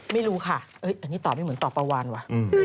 ไม่รู้ค่ะอันนี้ตอบได้เหมือนตอบปลาวานว่ะ